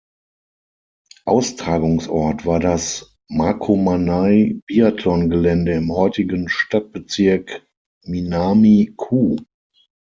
Austragungsort war das Makomanai-Biathlongelände im heutigen Stadtbezirk Minami-ku.